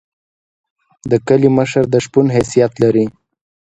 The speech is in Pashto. د کلی مشر د شپون حیثیت لري.